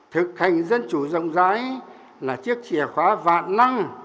thực hành dân chủ rộng rãi là chiếc chìa khóa vạn năng